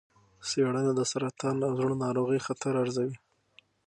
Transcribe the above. څېړنه د سرطان او زړه ناروغۍ خطر ارزوي.